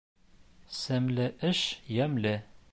Сәмле эш йәмле.